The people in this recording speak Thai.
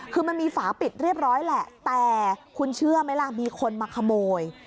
คือมันมีฝาปิดเรียบร้อยแหละแต่คุณเชื่อไหมล่ะมีคนมาขโมย